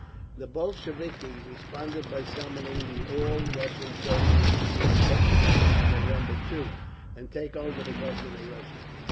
The Bolsheviki responded by summoning the All Russian Soviets to meet at Petrograd on November 2, and take over the Government of Russia.